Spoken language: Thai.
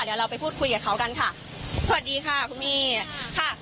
เดี๋ยวเราไปพูดคุยกับเขากันค่ะสวัสดีค่ะคุณมีค่ะ